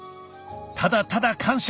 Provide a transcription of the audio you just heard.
ただただ感謝